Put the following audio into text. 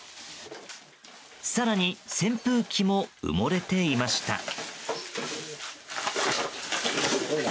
更に扇風機も埋もれていました。